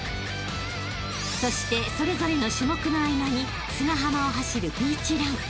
［そしてそれぞれの種目の合間に砂浜を走るビーチラン］